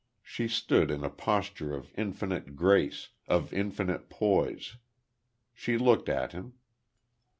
She stood in a posture of infinite grace of infinite poise. She looked at him.